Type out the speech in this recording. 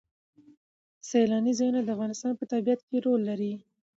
سیلانی ځایونه د افغانستان په طبیعت کې مهم رول لري.